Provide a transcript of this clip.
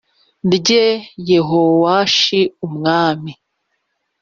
Rye yehowashi umwami